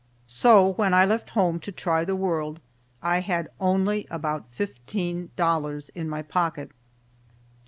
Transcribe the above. So when I left home to try the world I had only about fifteen dollars in my pocket.